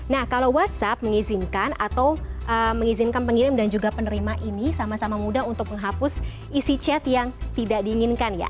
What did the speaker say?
nah kalau whatsapp mengizinkan atau mengizinkan pengirim dan juga penerima ini sama sama mudah untuk menghapus isi chat yang tidak diinginkan ya